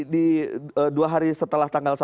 di dua hari setelah tanggal satu